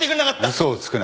嘘をつくな。